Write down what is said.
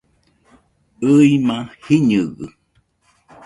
ɨima jiñɨgɨ